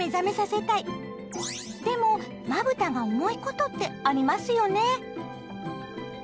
でもまぶたが重いことってありますよね。